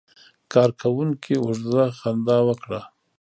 کارکونکي اوږده خندا وکړه.